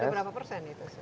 sudah berapa persen itu